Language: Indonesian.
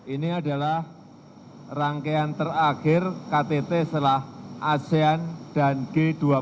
ini adalah rangkaian terakhir ktt setelah asean dan g dua puluh